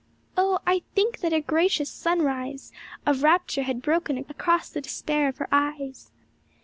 Oh, I think that a gracious sunrise Of rapture had broken across the despair of her eyes!